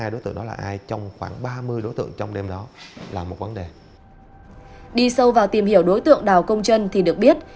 đi sâu vào tìm hiểu đối tượng đào công trân thì được biết